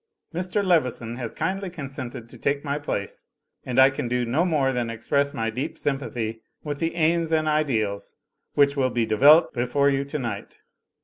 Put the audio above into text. Mr. Leveson has kindly consented to take my place, and I can do no more than express my deep S)mipathy with the aims and ideals which will be developed before you tonight.